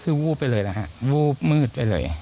ก็คือวุ้บไปเลยนะคะวุ้บมืดไปเลย